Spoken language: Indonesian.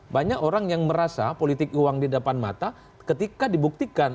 banyak orang yang merasa politik uang di depan mata ketika dibuktikan